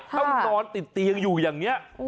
ต้องนอนติดเตียงอยู่อย่างนี้